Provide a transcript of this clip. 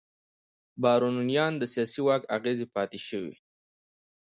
بارونیانو د سیاسي واک اغېزې پاتې شوې.